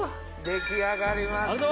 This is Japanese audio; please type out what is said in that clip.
出来上がりました。